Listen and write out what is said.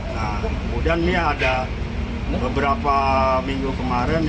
nah kemudian ini ada beberapa minggu kemarin